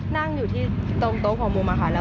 นั่งอยู่ที่ตรงโต๊ะของมุมอาคารแล้ว